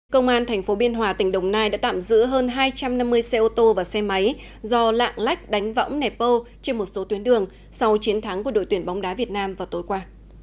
công an thành phố biên hòa tỉnh đồng nai đã tạm giữ hơn hai trăm năm mươi xe ô tô và xe máy do lạng lách đánh võng nẹp bô trên một số tuyến đường sau chiến thắng của đội tuyển bóng đá việt nam vào tối qua